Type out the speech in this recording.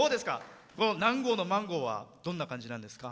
南郷のマンゴーはどんな感じなんですか？